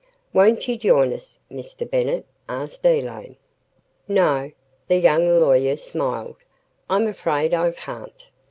"Won't you join us, Mr. Bennett?" asked Elaine. "No," the young lawyer smiled, "I'm afraid I can't.